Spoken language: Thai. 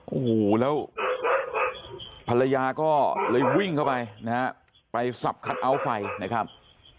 โอ้โหแล้วภรรยาก็เลยวิ่งเข้าไปนะฮะไปสับคัทเอาท์ไฟนะครับ